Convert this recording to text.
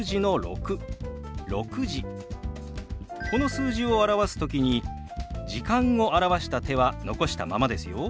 この数字を表す時に「時間」を表した手は残したままですよ。